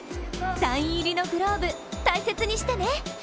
サイン入りのグローブ、大切にしてね。